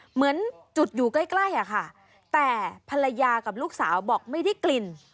เหมือนจุดอยู่ใกล้อะค่ะแต่ภรรยากับลูกสาวบอกไม่ได้กลิ่น